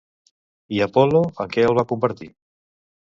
I Apol·lo en què el va convertir?